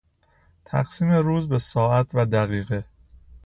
تقسیم روز به ساعت و دقیقه